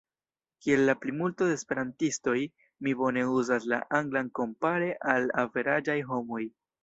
Kiel la plimulto de Esperantistoj, mi bone uzas la Anglan kompare al averaĝaj homoj.